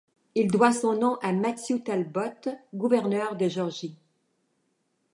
Il doit son nom à Matthew Talbot, gouverneur de Géorgie.